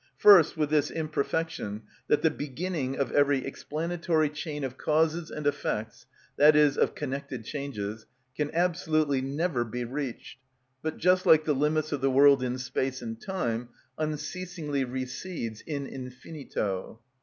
First with this imperfection, that the beginning of every explanatory chain of causes and effects, i.e., of connected changes, can absolutely never be reached, but, just like the limits of the world in space and time, unceasingly recedes in infinito.